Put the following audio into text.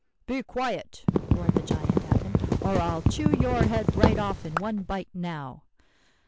"'Be quiet!' roared the giant at him, 'or I'll chew your head right off in one bite now.